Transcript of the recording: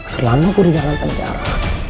selalu gua di dalam penjara